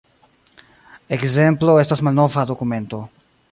Ekzemplo estas malnova dokumento.